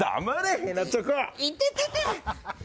いててて。